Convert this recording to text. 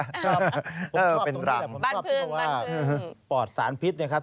ครับผมชอบตรงนี้แหละผมชอบที่เขาว่าปลอดสารพิษนะครับ